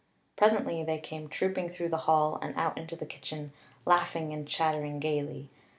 Presently they came trooping through the hall and out into the kitchen, laughing and chattering gaily.